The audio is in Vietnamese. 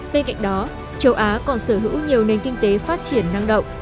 bên cạnh đó châu á còn sở hữu nhiều nền kinh tế phát triển năng động